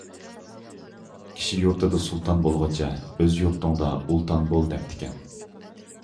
«كىشى يۇرتىدا سۇلتان بولغۇچە، ئۆز يۇرتۇڭدا ئۇلتان بول» دەپتىكەن.